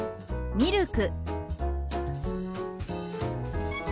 「ミルク」。